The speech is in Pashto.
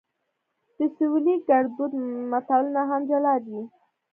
د سویلي ګړدود متلونه هم جلا دي